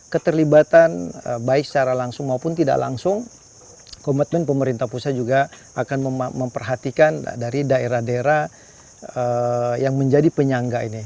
keterlibatan baik secara langsung maupun tidak langsung komitmen pemerintah pusat juga akan memperhatikan dari daerah daerah yang menjadi penyangga ini